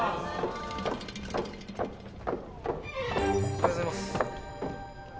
おはようございます。